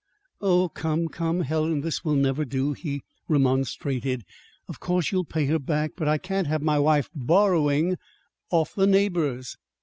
"Oh, come, come, Helen, this will never do," he remonstrated. "Of course you'll pay her back; but I can't have my wife borrowing of the neighbors!"